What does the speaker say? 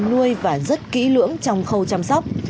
nuôi và rất kỹ lưỡng trong khâu chăm sóc